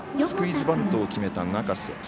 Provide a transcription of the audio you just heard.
スクイズバントを決めた中瀬。